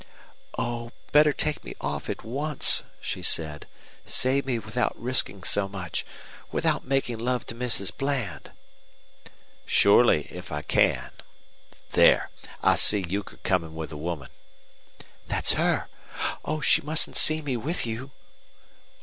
"Oh, better take me off at once," she said. "Save me without risking so much without making love to Mrs. Bland!" "Surely, if I can. There! I see Euchre coming with a woman." "That's her. Oh, she mustn't see me with you."